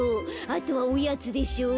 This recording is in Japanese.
あとはおやつでしょ。